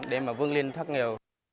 để mà vương liên phát nghèo